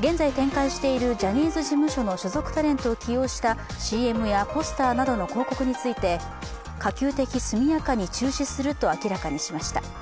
現在展開しているジャニーズ事務所の所属タレントを起用したＣＭやポスターなどの広告について可及的速やかに中止すると明らかにしました。